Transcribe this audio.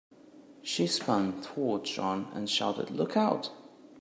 She spun towards John and shouted, "Look Out!"